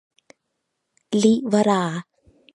ลิลวรา